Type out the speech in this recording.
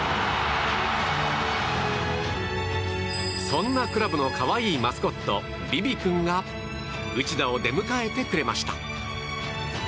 そんなクラブの可愛いマスコットヴィヴィくんが内田を出迎えてくれました。